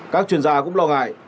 các chuyên gia cũng lo ngại